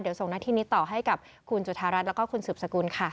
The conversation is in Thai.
เดี๋ยวส่งหน้าที่นี้ต่อให้กับคุณจุธารัฐแล้วก็คุณสืบสกุลค่ะ